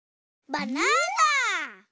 バナナ！